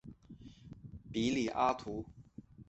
比里阿图。